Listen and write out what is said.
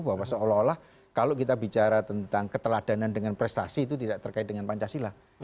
bahwa seolah olah kalau kita bicara tentang keteladanan dengan prestasi itu tidak terkait dengan pancasila